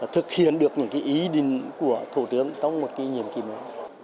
thực hiện được những ý định của thủ tướng trong một kỷ niệm kỳ mới